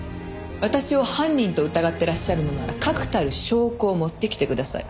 私を犯人と疑ってらっしゃるのなら確たる証拠を持ってきてください。